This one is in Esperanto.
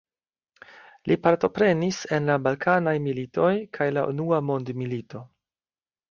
Li partoprenis en la Balkanaj militoj kaj la Unua Mondmilito.